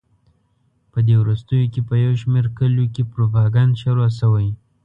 په دې وروستیو کې په یو شمېر کلیو کې پروپاګند شروع شوی.